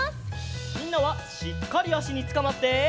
みんなはしっかりあしにつかまって！